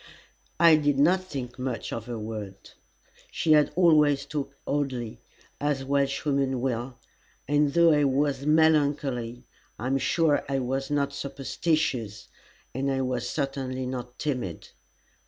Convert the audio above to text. I did not think much of her words. She had always talked oddly, as Welshwomen will, and though I was very melancholy I am sure I was not superstitious, and I was certainly not timid.